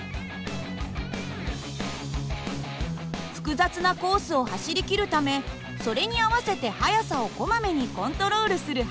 複雑なコースを走りきるためそれに合わせて速さをこまめにコントロールする走り。